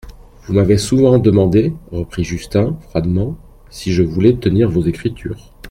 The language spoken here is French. Vous m'avez souvent demandé, reprit Justin froidement, si je voulais tenir vos écritures.